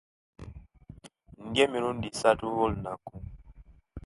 Nga emirundi misatu olunaku